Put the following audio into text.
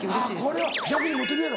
これは逆にモテるやろ？